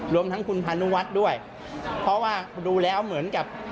รวมทั้งคุณพานุวัฒน์ด้วยเพราะว่าดูแล้วเหมือนกับ